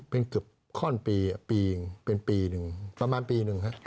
เป็นเกือบข้อนปีปีหนึ่งเป็นปีหนึ่งประมาณปีหนึ่งครับ